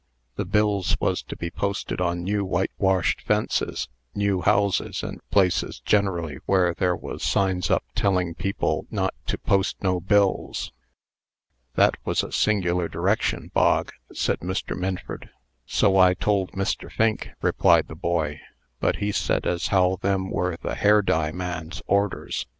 The bills was to be posted on new whitewashed fences, new houses, and places generally where there was signs up telling people not to 'post no bills.'" "That was a singular direction, Bog," said Mr. Minford. "So I told Mr. Fink," replied the boy; "but he said as how them were the hair dye man's orders.